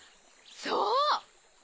そう！